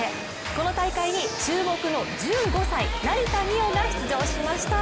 この大会に注目の１５歳、成田実生が出場しました。